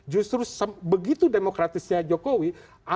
justru begitu demokratisnya jokowi